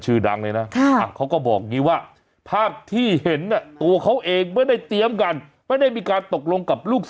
ฮ่าฮ่าฮ่าฮ่าฮ่าฮ่าฮ่าฮ่าฮ่าฮ่าฮ่าฮ่า